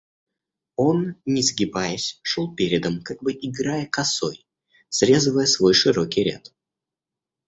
Он, не сгибаясь, шел передом, как бы играя косой, срезывая свой широкий ряд.